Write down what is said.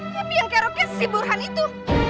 tapi yang keroget si burhan itu